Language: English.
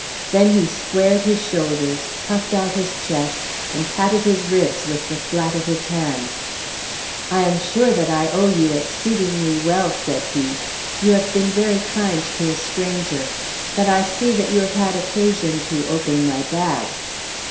Then he squared his shoulders, puffed out his chest, and patted his ribs with the flat of his hands. "I am sure that I owe you exceedingly well," said he. "You have been very kind to a stranger. But I see that you have had occasion to open my bag."